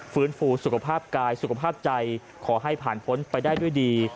ฟื้นฟูสุขภาพกายสุขภาพใจขอให้ผ่านพ้นไปได้ด้วยดี